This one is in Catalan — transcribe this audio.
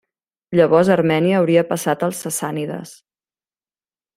Llavors Armènia hauria passat als sassànides.